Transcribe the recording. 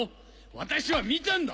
私は見たんだ！